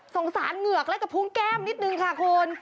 สารเหงือกและกระพุงแก้มนิดนึงค่ะคุณ